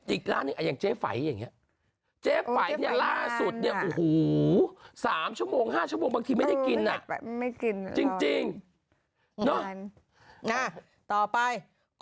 อีกร้านหนึ่งอันอย่างเจฝัยอย่างเงี้ย